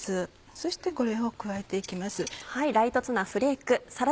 そしてこれを加えて行きます。